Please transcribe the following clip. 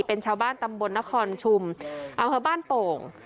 เป็นชาวบ้านตำบลนครชุมอำเภอบ้านโป่ง